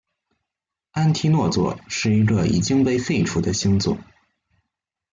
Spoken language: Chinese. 安提诺座是一个已经被废除的星座。